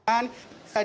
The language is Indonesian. bima arya menyampaikan